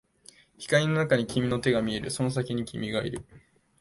光の中に君の手が見える、その先に君がいる